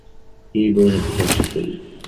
কি বোঝাতে চাচ্ছো, তুমি?